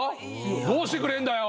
どうしてくれんだよ！